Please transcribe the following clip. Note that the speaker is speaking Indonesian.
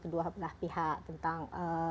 kedua pihak tentang